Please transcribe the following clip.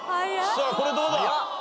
さあこれどうだ？